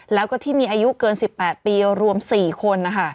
แล้วก็ที่มีอายุเกิน๑๘ปีรวม๔คน